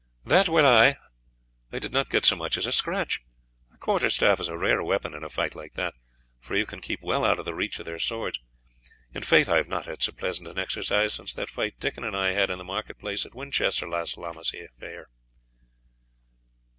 "That will I; I did not get so much as a scratch. A quarter staff is a rare weapon in a fight like that, for you can keep well out of the reach of their swords. In faith I have not had so pleasant an exercise since that fight Dickon and I had in the market place at Winchester last Lammas fair."